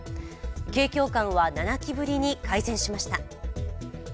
景況感は７期ぶりに改善しました。